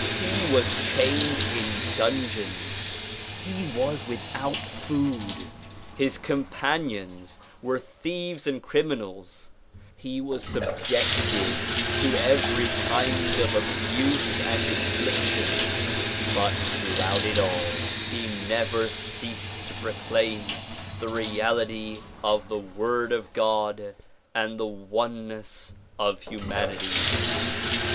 He was chained DISCOURSES DELIVERED TX NEAY YORK 5 in dungeons, he was without food, his companions were thieves and criminals, he was subjected to every kind of abuse and infliction, but throughout it all he never ceased to proclaim the reality of the Word of God and the oneness of humanity.